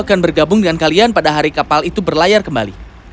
akan bergabung dengan kalian pada hari kapal itu berlayar kembali